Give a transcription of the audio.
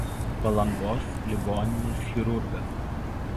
Palangos ligoninės chirurgas.